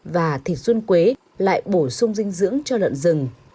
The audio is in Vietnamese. và thịt run quế lại bổ sung dinh dưỡng cho lợn rừng